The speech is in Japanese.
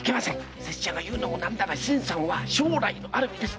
拙者が言うのも何だが新さんは将来のある身です。